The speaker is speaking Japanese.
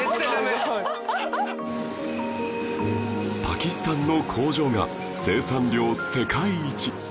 パキスタンの工場が生産量世界一